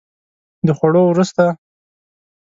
د خوړو وروسته